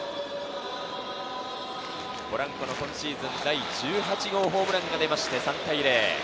ポランコの今シーズン第１８号ホームランが出て３対０。